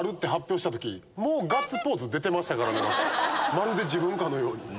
まるで自分かのように。